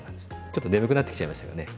ちょっと眠くなってきちゃいましたよね？